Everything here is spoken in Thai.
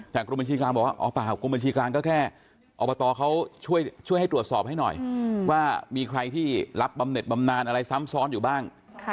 แต่กรมบัญชีกลางบอกว่าอ๋อเปล่ากรมบัญชีกลางก็แค่อบตเขาช่วยให้ตรวจสอบให้หน่อยว่ามีใครที่รับบำเน็ตบำนานอะไรซ้ำซ้อนอยู่บ้าง